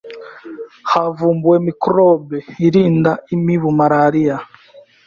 Havumbuwe ‘microbe’ irinda imibu malaria